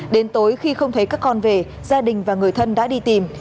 đến tối khi không thấy các con về gia đình và người thân đã đi tìm